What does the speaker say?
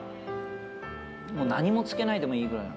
何も付けないでもいいぐらい。